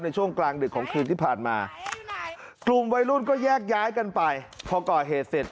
ช่วงกลางดึกของคืนที่ผ่านมากลุ่มวัยรุ่นก็แยกย้ายกันไปพอก่อเหตุเสร็จ